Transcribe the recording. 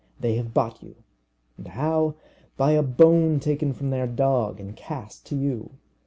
They have bought you and how? By a bone taken from their dog and cast to you.